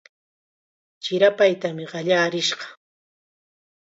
Chirapaytam qallarishqa.